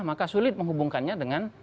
maka sulit menghubungkannya dengan